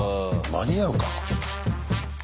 間に合うか？